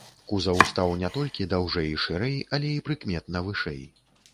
Кузаў стаў не толькі даўжэй і шырэй, але і прыкметна вышэй.